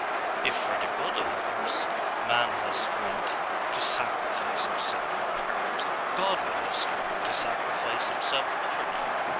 If for the good of others, man has strength to sacrifice himself in part, God will have strength to sacrifice Himself utterly.